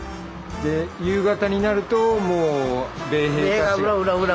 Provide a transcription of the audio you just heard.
で夕方になるともう米兵たちが？